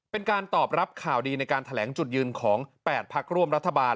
เป็นการตอบรับข่าวดีในการแถลงจุดยืนของ๘พักร่วมรัฐบาล